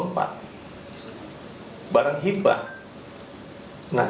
nah setelah kita paham